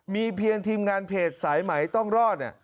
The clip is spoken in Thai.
มีเพียงทีมงานเพจสายไหมต้องรอด